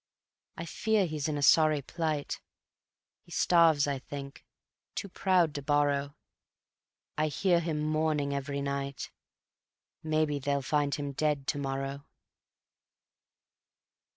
I fear he's in a sorry plight; He starves, I think, too proud to borrow, I hear him moaning every night: Maybe they'll find him dead to morrow.